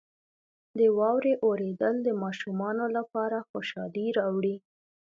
• د واورې اورېدل د ماشومانو لپاره خوشحالي راولي.